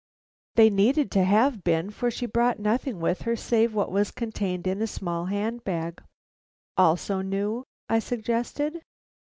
They needed to have been, for she brought nothing with her save what was contained in a small hand bag." "Also new?" I suggested.